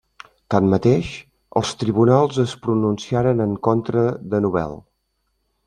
Tanmateix, els tribunals es pronunciaren en contra de Nobel.